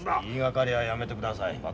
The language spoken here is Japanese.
言いがかりはやめてください。